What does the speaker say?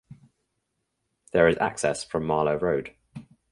There is access from Marlow Road.